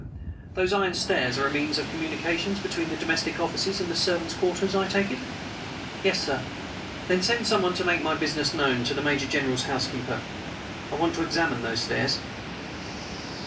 "Those iron stairs are a means of communication between the domestic offices and the servants' quarters, I take it?" "Yes, sir." "Then send someone to make my business known to the Major General's housekeeper; I want to examine those stairs."